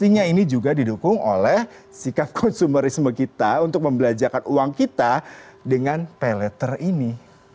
artinya ini juga didukung oleh sikap konsumerisme kita untuk membelanjakan uang kita dengan pay letter ini